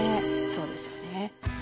そうですよね